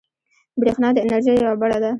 برېښنا د انرژۍ یوه بڼه ده.